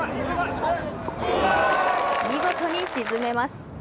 見事に沈めます。